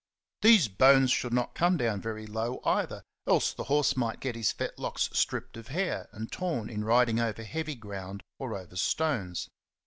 These bones should not come down very low, either, else the horse might get his fetlocks stripped of hair ^ and torn in riding over heavy ground or over stones.